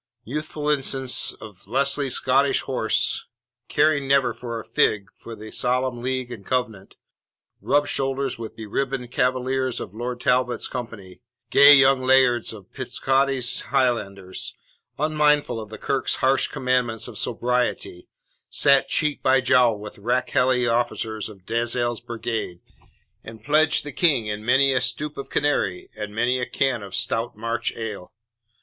Youthful ensigns of Lesley's Scottish horse caring never a fig for the Solemn League and Covenant rubbed shoulders with beribboned Cavaliers of Lord Talbot's company; gay young lairds of Pitscottie's Highlanders, unmindful of the Kirk's harsh commandments of sobriety, sat cheek by jowl with rakehelly officers of Dalzell's Brigade, and pledged the King in many a stoup of canary and many a can of stout March ale.